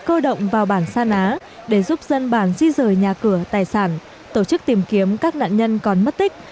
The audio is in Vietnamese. cơ động vào bản sa ná để giúp dân bản di rời nhà cửa tài sản tổ chức tìm kiếm các nạn nhân còn mất tích